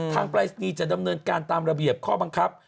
ปรายศนีย์จะดำเนินการตามระเบียบข้อบังคับ